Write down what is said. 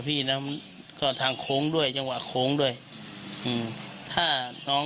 พี่แล้วมันก็ทางโค้งด้วยจังหวะโค้งด้วยอืมถ้าน้อง